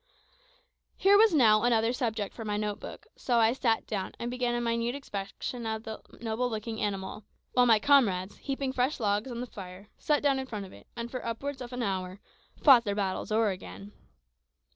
Here was now another subject for my note book, so I sat down, and began a minute inspection of the noble looking animal, while my comrades, heaping fresh logs on the fire, sat down in front of it, and for upwards of an hour, "fought their battles o'er again."